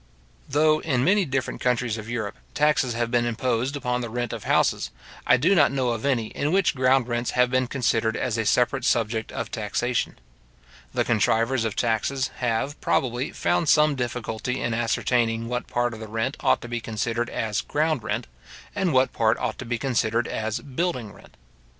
Though, in many different countries of Europe, taxes have been imposed upon the rent of houses, I do not know of any in which ground rents have been considered as a separate subject of taxation. The contrivers of taxes have, probably, found some difficulty in ascertaining what part of the rent ought to be considered as ground rent, and what part ought to be considered as building rent.